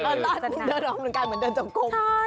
เดินออกกำลังกายเหมือนเดินจงกลม